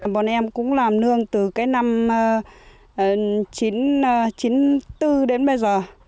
bọn em cũng làm nương từ cái năm chín mươi bốn đến bây giờ